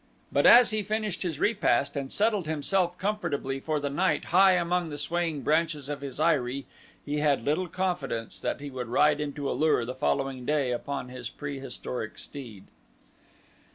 But as he finished his repast and settled himself comfortably for the night high among the swaying branches of his eyrie he had little confidence that he would ride into A lur the following day upon his prehistoric steed.